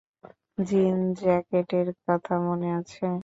জিন জ্যাকেটের কথা মনে আছে?